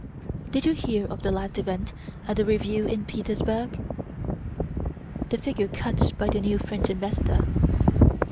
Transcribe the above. "Did you hear of the last event at the review in Petersburg? The figure cut by the new French ambassador."